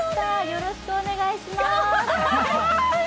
よろしくお願いします。